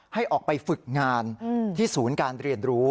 ให้ออกไปฝึกงานที่ศูนย์การเรียนรู้